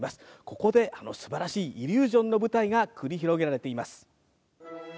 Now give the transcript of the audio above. ここで、あのすばらしいイリュージョンの舞台が繰り広げられています。